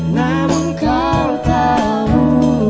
namun kau tahu